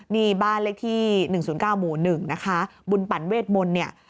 นี่บ้านเลขที่๑๐๙หมู่๑นะคะบุญปั่นเวทมนต์เนี่ย